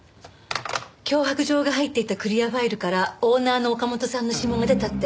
脅迫状が入っていたクリアファイルからオーナーの岡本さんの指紋が出たって。